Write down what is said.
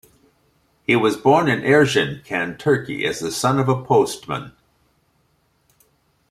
He was born in Erzincan, Turkey as the son of a postman.